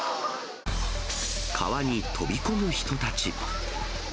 川に飛び込む人たち。